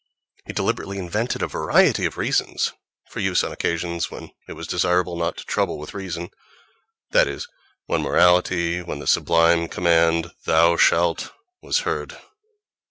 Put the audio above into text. He deliberately invented a variety of reasons for use on occasions when it was desirable not to trouble with reason—that is, when morality, when the sublime command "thou shalt," was heard.